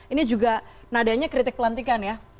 ini juga nadanya kritik pelantikan ya